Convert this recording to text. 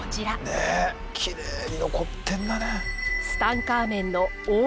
ねえきれいに残ってんだね。